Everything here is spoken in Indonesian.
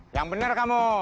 yang bener kamu